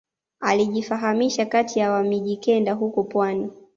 Alijifahamisha kati ya wa mijikenda huko pwani